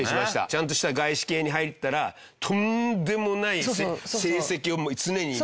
ちゃんとした外資系に入ったらとんでもない成績を常に。